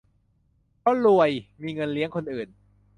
เพราะรวย มีเงินเลี้ยงคนอื่น